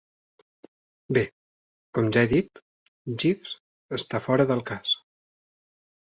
Bé, com ja he dit, Jeeves està fora del cas.